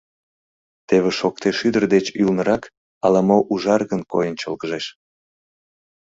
Теве Шокте шӱдыр деч ӱлнырак ала-мо ужаргын койын чолгыжеш.